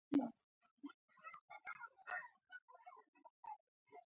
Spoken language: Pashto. وده محدوده ده.